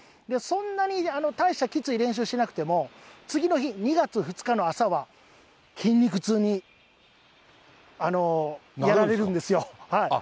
そんなに大したきつい練習しなくても、次の日、２月２日の朝は筋肉痛にやられるんですよ。